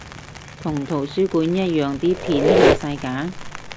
同圖書館一樣啲片下晒架？